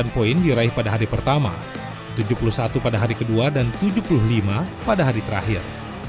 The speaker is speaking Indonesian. sembilan poin diraih pada hari pertama tujuh puluh satu pada hari kedua dan tujuh puluh lima pada hari terakhir